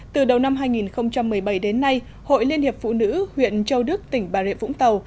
từ đầu năm hai nghìn một mươi bảy đến nay hội liên hiệp phụ nữ huyện châu đức tỉnh bà rịa vũng tàu